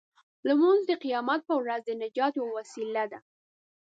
لمونځ د قیامت په ورځ د نجات یوه وسیله ده.